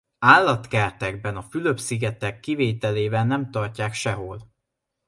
Állatkertekben a Fülöp-szigetek kivételével nem tartják sehol.